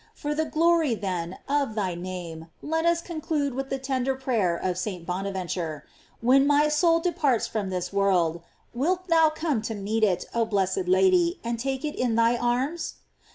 For the glory, then, of thy name (let us conclude with the tender prayer of St. Bonaventure), when my soul departs from this world, wilt thou come to meet it, oh blessed Lady, and take it in thy arms?